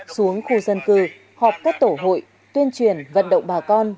xuống khu dân cư họp các tổ hội tuyên truyền vận động bà con